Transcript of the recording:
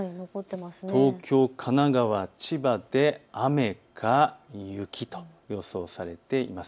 東京、神奈川、千葉で雨か雪と予想されています。